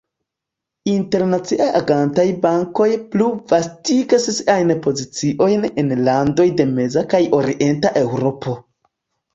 Internacie agantaj bankoj plu vastigas siajn poziciojn en landoj de meza kaj orienta Eŭropo.